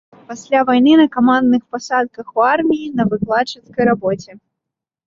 Пасля вайны на камандных пасадах у арміі, на выкладчыцкай рабоце.